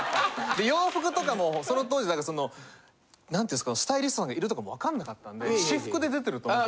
で洋服とかもその当時だからその何て言うんすかスタイリストさんがいるとかも分かんなかったんで私服で出てると思って。